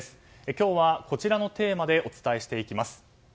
今日はこちらのテーマでお伝えしていきます。